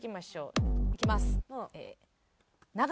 いきます。